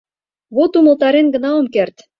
Вот умылтарен гына ом керт.